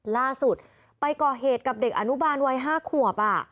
ล่าสุดไปก่อเหตุกับเด็กอนุบาลวัย๕ขวบ